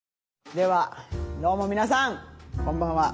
ではどうも皆さんこんばんは。